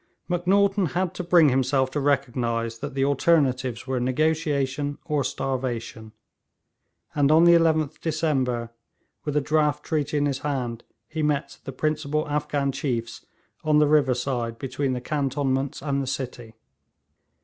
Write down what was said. Macnaghten had to bring himself to recognise that the alternatives were negotiation or starvation, and on the 11th December, with a draft treaty in his hand, he met the principal Afghan chiefs on the river side between the cantonments and the city.